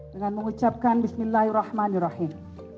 dengan mengucapkan bismillahirrahmanirrahim